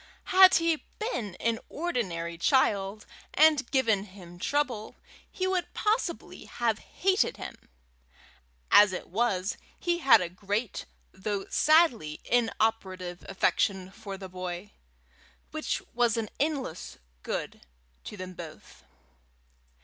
Had he been an ordinary child, and given him trouble, he would possibly have hated him; as it was, he had a great though sadly inoperative affection for the boy, which was an endless good to them both.